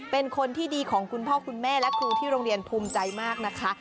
เป็นคนที่ดีของคุณพ่อคุณแม่และครูที่โรงเรียนภูมิใจมากนะคะ